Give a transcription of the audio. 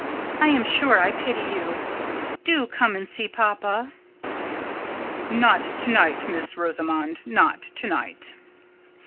I am sure I pity you. Do come and see papa." "Not to night, Miss Rosamond, not to night."